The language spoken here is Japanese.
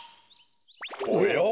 おや？